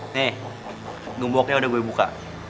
nih gemboknya udah gue buka